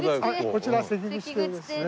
こちら関口亭ですね。